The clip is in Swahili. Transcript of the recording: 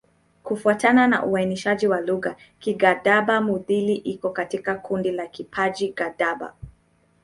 Kufuatana na uainishaji wa lugha, Kigadaba-Mudhili iko katika kundi la Kiparji-Gadaba.